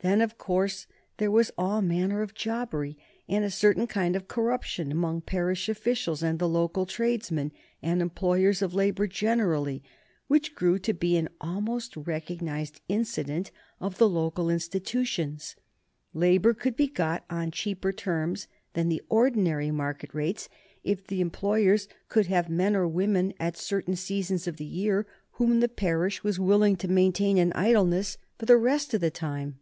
Then, of course, there was all manner of jobbery, and a certain kind of corruption among parish officials and the local tradesmen and employers of labor generally, which grew to be an almost recognized incident of the local institutions. Labor could be got on cheaper terms than the ordinary market rates if the employers could have men or women at certain seasons of the year whom the parish was willing to maintain in idleness for the rest of the time.